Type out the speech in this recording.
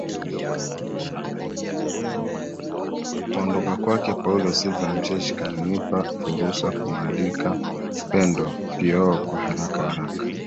kuondoka kwake paulo silva mcheshi kunanipa furusa kumwalika pendo po kwa haraka haraka